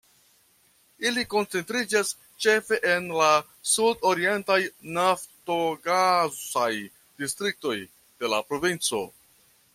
Ili koncentriĝas ĉefe en la sud-orientaj naftogasaj distriktoj de la provinco.